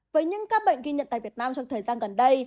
với những ca bệnh ghi nhận tại việt nam trong thời gian gần đây